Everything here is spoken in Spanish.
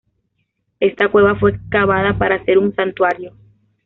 Esta cueva fue excavada para ser un santuario.